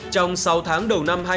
trong sáu tháng đầu năm